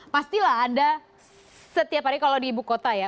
pastilah anda setiap hari kalau di ibu kota ya